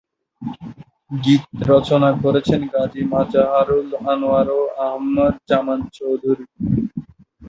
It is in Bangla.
গীত রচনা করেছেন গাজী মাজহারুল আনোয়ার ও আহমদ জামান চৌধুরী।